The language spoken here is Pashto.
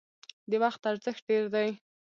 د وخت ارزښت ډیر دی